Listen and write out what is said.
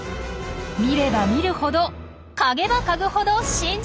見れば見るほど嗅げば嗅ぐほど新事実！